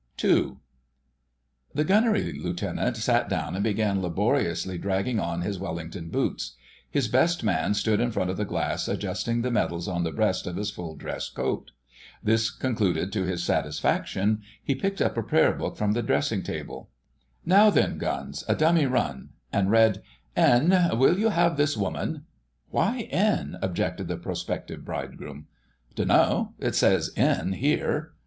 *II.* The Gunnery Lieutenant sat down and began laboriously dragging on his Wellington boots. His Best Man stood in front of the glass adjusting the medals on the breast of his full dress coat. This concluded to his satisfaction, he picked up a prayer book from the dressing table— "Now, then, Guns, a 'dummy run,'" and read; "N. Wilt thou have this woman——" "Why 'N'?" objected the prospective bridegroom. "Dunno, It says 'N' here."